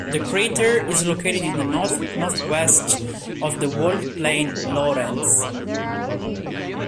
This crater is located to the north-northwest of the walled plain Lorentz.